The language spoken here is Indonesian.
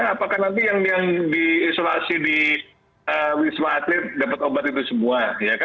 apakah nanti yang diisolasi di wisma atlet dapat obat itu semua